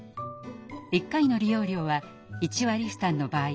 １回の利用料は１割負担の場合